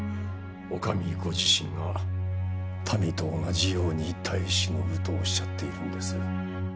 お上ご自身が「民と同じように耐え忍ぶ」とおっしゃっているんです